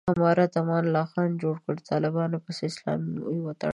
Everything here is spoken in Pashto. امارت امان الله خان جوړ کړ، طالبانو پسې اسلامي وتړلو.